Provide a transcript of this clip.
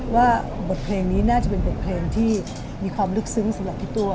ว่าบทเพลงนี้น่าจะเป็นบทเพลงที่มีความลึกซึ้งสำหรับพี่ตัว